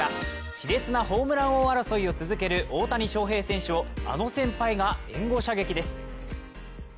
しれつなホームラン王争いを続ける大谷翔平選手を、あの先輩が援護射撃です。